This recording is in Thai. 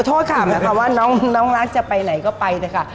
โทษค่ะแม้คำว่าน้องลักษณ์จะไปไหนก็ไปนะคะ